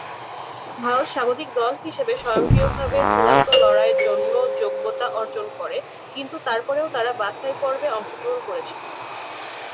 ভারত স্বাগতিক দল হিসাবে স্বয়ংক্রিয়ভাবে চূড়ান্ত লড়াইয়ের জন্য যোগ্যতা অর্জন করে, কিন্তু তারপরেও তারা বাছাইপর্বে অংশগ্রহণ করেছিল।